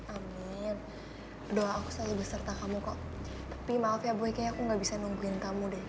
amin doa aku selalu berserta kamu kok tapi maaf ya boy kayaknya aku gak bisa nungguin kamu deh